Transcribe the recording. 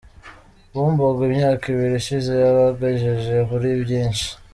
Bumbogo Imyaka ibiri ishize yabagejeje kuri byinshi